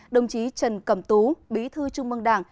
đồng chí trần cẩm tú bí thư trung mương đảng